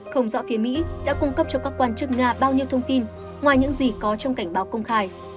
không rõ phía mỹ đã cung cấp cho các quan chức nga bao nhiêu thông tin ngoài những gì có trong cảnh báo công khai